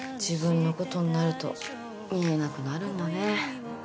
自分のことになると見えなくなるんだね。